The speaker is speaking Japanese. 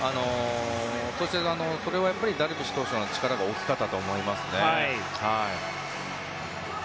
そして、それはダルビッシュ投手の力が大きかったと思いますね。